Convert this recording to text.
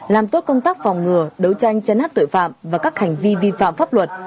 làm tốt công tác phòng ngừa đấu tranh chấn áp tội phạm và các hành vi vi phạm pháp luật